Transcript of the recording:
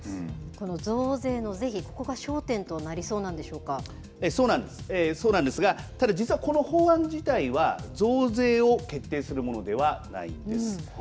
この増税の是非ここが焦点とそうなんです、そうなんですが実はこの法案自体は増税を決定するものではないんです。